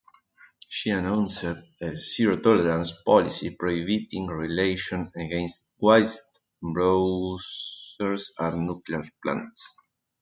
She announced a "zero tolerance" policy, prohibiting retaliation against whistle blowers at nuclear plants.